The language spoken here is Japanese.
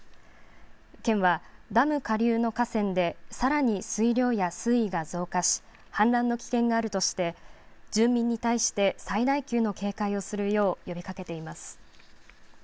県はダム下流の河川でさらに水量や水位が増加し氾濫の危険があるとして住民に対して最大級の警戒をするよう呼びかけています。